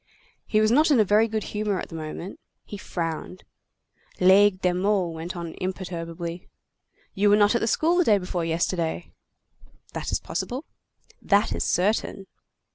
He was not in a very good humor at the moment. He frowned. Laigle de Meaux went on imperturbably:— "You were not at the school day before yesterday." "That is possible." "That is certain."